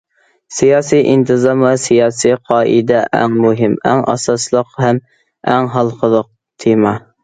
سىياسىي ئىنتىزام ۋە سىياسىي قائىدە ئەڭ مۇھىم، ئەڭ ئاساسلىق ھەم ئەڭ ھالقىلىق تېما.